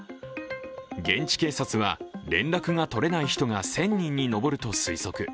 現地警察は、連絡が取れない人が１０００人に上ると推測。